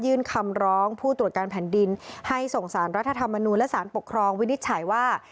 คำร้องผู้ตรวจการแผ่นดินให้ส่งสารรัฐธรรมนูลและสารปกครองวินิจฉัยว่า